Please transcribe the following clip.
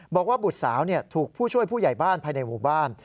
บุตรสาวถูกผู้ช่วยผู้ใหญ่บ้านภายในหมู่บ้าน